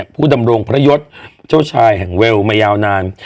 ผู้ดำรงพระยศเจ้าชายแห่งเวลมายาวนาน